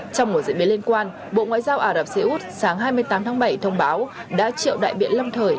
trong một diễn biến liên quan bộ ngoại giao ả rập xê út sáng hai mươi tám tháng bảy thông báo đã triệu đại biện lâm thời